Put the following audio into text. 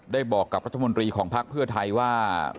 ได้บอกกับรัฐมนตรีของพักเพื่อไทยว่า